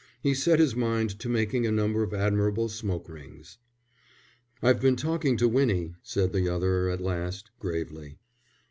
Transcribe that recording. He set his mind to making a number of admirable smoke rings. "I've been talking to Winnie," said the other at last, gravely.